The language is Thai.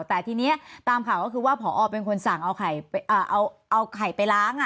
แต่ทีนี้ตามข่าวก็คือว่าพอเป็นคนสั่งเอาไข่ไปล้าง